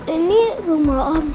ini rumah om